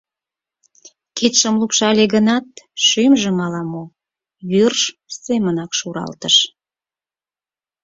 Кидым лупшале гынат, шӱмжым ала-мо вӱрж семынак шуралтыш.